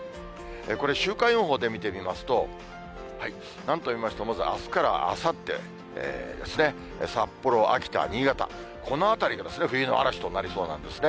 これ、週間予報で見てみますと、なんといいましても、まずあすからあさってですね、札幌、秋田、新潟、この辺りが冬の嵐となりそうなんですね。